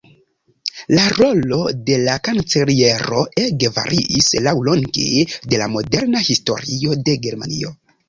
La rolo de la Kanceliero ege variis laŭlonge de la moderna historio de Germanio.